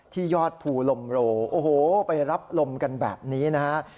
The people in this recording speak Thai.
ยอดภูลมโรโอ้โหไปรับลมกันแบบนี้นะฮะ